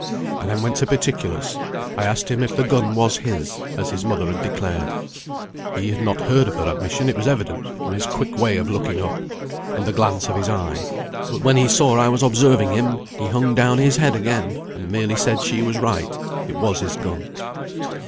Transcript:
I then went to particulars. I asked him if the gun was his, as his mother had declared. He had not heard of her admission it was evident, from his quick way of looking up, and the glance of his eye; but when he saw I was observing him, he hung down his head again, and merely said she was right; it was his gun."